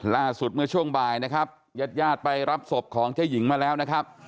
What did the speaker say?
ล่าสุดเมื่อช่วงบ่ายนะครับยัดไปรับศพของเจ้าหญิงมาแล้วนะครับ